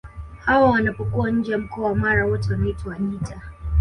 Hawa wanapokuwa nje ya mkoa wa Mara wote wanaitwa Wajita